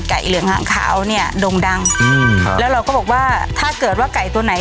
เหลืองหางขาวเนี้ยดงดังอืมครับแล้วเราก็บอกว่าถ้าเกิดว่าไก่ตัวไหน